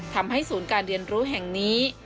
ทำให้ศูนย์การเรียนรู้แห่งนี้